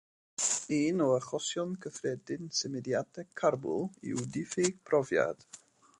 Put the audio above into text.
Un o achosion cyffredin symudiadau carbwl yw diffyg profiad.